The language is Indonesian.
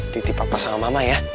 titi papa sama mama ya